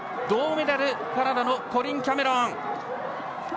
銅メダルカナダのコリン・キャメロン。